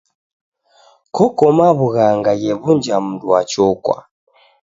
Koko maw'ughanga ghe w'unja mundu wa chokwa.